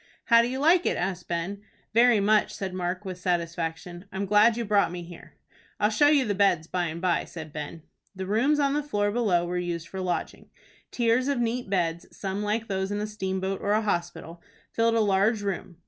"How do you like it?" asked Ben. "Very much," said Mark, with satisfaction. "I'm glad you brought me here." "I'll show you the beds by and by," said Ben. The rooms on the floor below were used for lodging. Tiers of neat beds, some like those in a steamboat or a hospital, filled a large room.